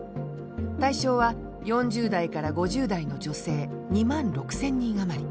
対象は４０代から５０代の女性２万６，０００人余り。